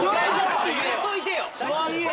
言っといてよ！